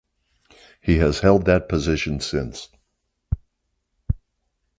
He has held that position since.